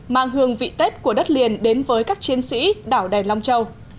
mang hương vị tết của đất liền đến với các chiến sĩ đảo đèn long châu